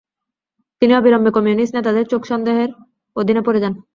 তিনি অবিলম্বে কমিউনিস্ট নেতাদের চোখ সন্দেহের অধীন পড়ে যান।